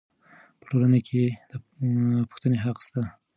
په ټولګي کې د پوښتنې حق سته.